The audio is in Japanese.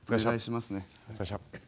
お願いしますね。